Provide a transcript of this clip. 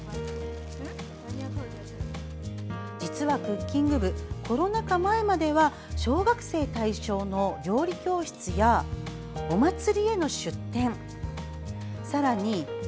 実は、クッキング部コロナ禍前までは小学生対象の料理教室やお祭りへの出店さらに